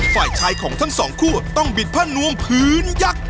ฝ่ายชายของทั้งสองคู่ต้องบิดผ้านวงพื้นยักษ์